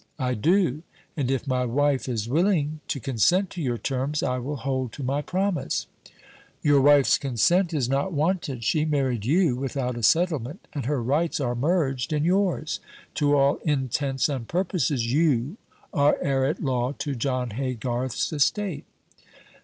"I do; and if my wife is willing to consent to your terms, I will hold to my promise." "Your wife's consent is not wanted. She married you without a settlement, and her rights are merged in yours. To all intents and purposes, you are heir at law to John Haygarth's estate."